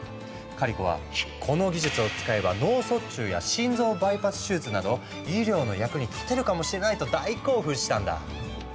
カリコは「この技術を使えば脳卒中や心臓バイパス手術など医療の役にたてるかもしれない」と大興奮したんだ。